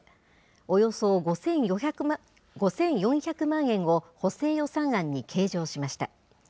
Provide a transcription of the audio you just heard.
およそ５４００万円を補正予算案に計上しました。